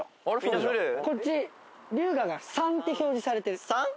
こっち龍我が「３」って表示されてる。